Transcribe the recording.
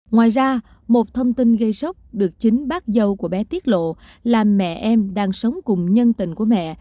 ngoài ra một thông tin gây sốc được chính bác dâu của bé tiết lộ là mẹ em đang sống cùng nhân tình của mẹ